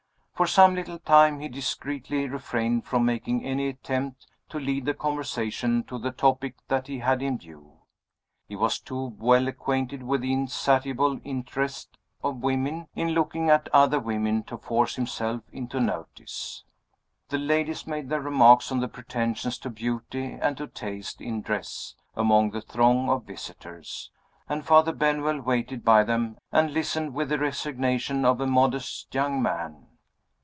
For some little time he discreetly refrained from making any attempt to lead the conversation to the topic that he had in view. He was too well acquainted with the insatiable interest of women in looking at other women to force himself into notice. The ladies made their remarks on the pretensions to beauty and to taste in dress among the throng of visitors and Father Benwell waited by them, and listened with the resignation of a modest young man.